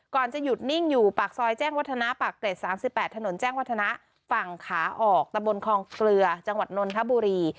ก่อนจะหยุดนิ่งอยู่ปากซอยแจ้งวัฒนาปากเกร็ด๓๘ถนนแจ้งวัฒนะฝั่งขาออกตะบนคลองเกลือจังหวัดนนทบุรี